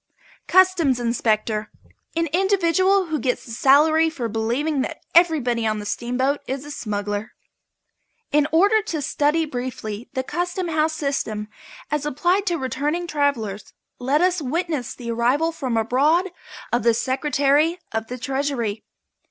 CUSTOMS INSPECTOR. An individual who gets a salary for believing that everybody on the steamboat is a smuggler. In order to study briefly the Custom House system as applied to returning travellers let us witness the arrival from abroad of the Secretary of the Treasury.